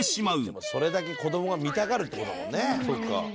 「でもそれだけ子どもが見たがるって事だもんね」